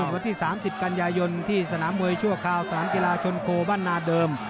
วันที่๓๐กันยายนที่สนามมวยชั่วคราวสนามกีฬาชนโคบ้านนาเดิม